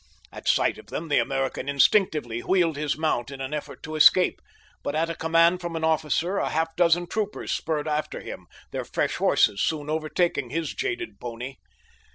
At sight of them the American instinctively wheeled his mount in an effort to escape, but at a command from an officer a half dozen troopers spurred after him, their fresh horses soon overtaking his jaded pony.